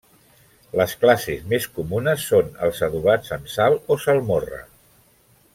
Les classes més comunes són els adobats en sal o salmorra.